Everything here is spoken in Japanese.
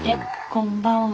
こんばんは。